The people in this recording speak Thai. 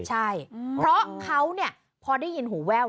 ใช่เพราะเขาพอได้ยินหูแว่ว